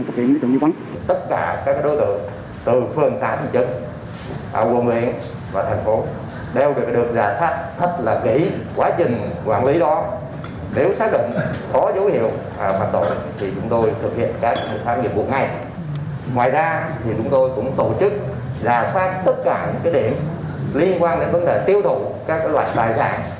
liên quan đến vấn đề tiêu đủ các loại tài sản